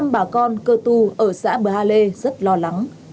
sáu trăm linh bà con cơ tu ở xã bờ ha lê rất lo lắng